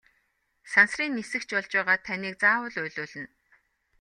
Сансрын нисэгч болж байгаад таныг заавал уйлуулна!